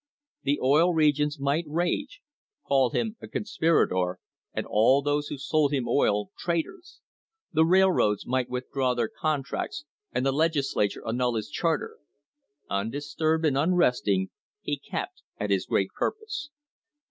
The Oil Regions might rage, call him a conspirator, and all those who sold him oil, traitors; the railroads might withdraw their contracts and the Legislature annul his charter; undisturbed and unresting he kept at his great purpose.